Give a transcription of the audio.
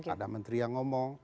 ada menteri yang ngomong